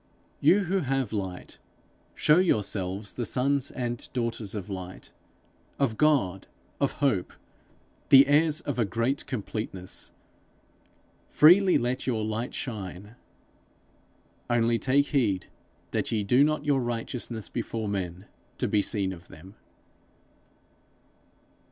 You who have light, show yourselves the sons and daughters of Light, of God, of Hope the heirs of a great completeness. Freely let your light shine. Only take heed that ye do not your righteousness before men, to be seen of them.